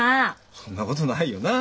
そんなことないよな小次郎。